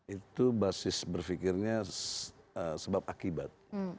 itu basis berpikirnya sebab akibat